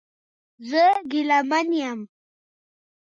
زه ګیلمن یم